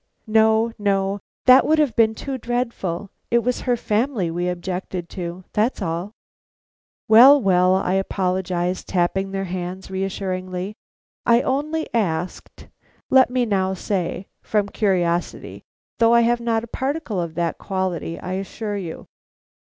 "No, no, that would have been too dreadful. It was her family we objected to, that's all." "Well, well," I apologized, tapping their hands reassuringly, "I only asked let me now say from curiosity, though I have not a particle of that quality, I assure you."